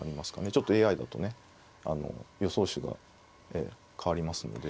ちょっとＡＩだとね予想手が変わりますので。